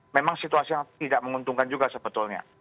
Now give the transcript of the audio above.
memang situasinya tidak menguntungkan juga sebetulnya